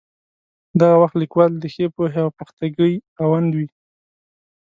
دغه وخت لیکوال د ښې پوهې او پختګۍ خاوند وي.